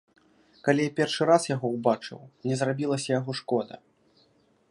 Калі я першы раз яго ўбачыў, мне зрабілася яго шкода.